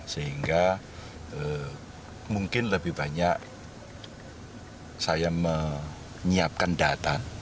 sehingga mungkin lebih banyak saya menyiapkan data